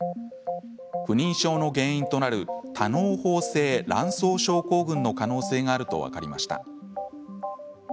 不妊症の原因となる多嚢胞性卵巣症候群の可能性があると分かりました。